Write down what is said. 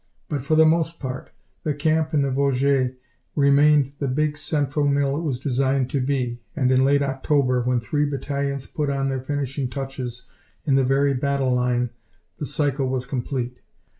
But, for the most part, the camp in the Vosges remained the big central mill it was designed to be, and in late October, when three battalions put on their finishing touches in the very battle line, the cycle was complete.